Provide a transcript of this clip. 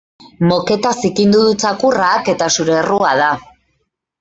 Moketa zikindu du txakurrak eta zure errua da.